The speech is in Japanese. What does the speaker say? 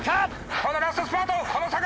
このラストスパート！